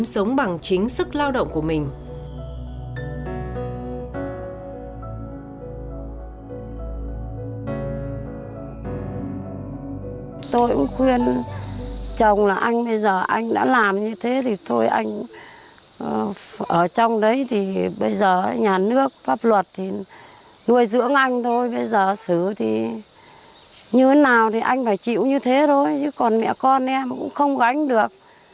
tôi cũng khuyên chồng là anh bây giờ anh đã làm như thế thì thôi anh ở trong đấy thì bây giờ nhà nước pháp luật thì nuôi dưỡng anh thôi bây giờ xử thì như thế nào thì anh phải chịu như thế thôi chứ còn mẹ con em cũng không gánh được